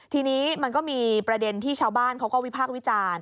ทีนี้มันก็มีประเด็นที่ชาวบ้านเขาก็วิพากษ์วิจารณ์